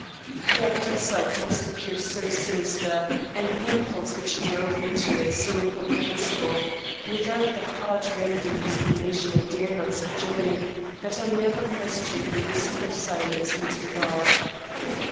The act itself must appear so sinister and the impulse which drove me to it so incomprehensible, without the heart rending explanation I dare not subjoin, that I never questioned the wisdom of silence in its regard.